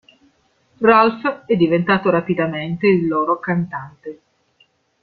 Ralph è diventato rapidamente il loro cantante.